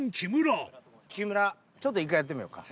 木村ちょっと１回やってみようか。